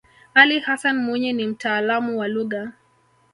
ali hassan mwinyi ni mtaalamu wa lugha